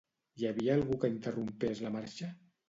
Hi havia algú que interrompés la marxa?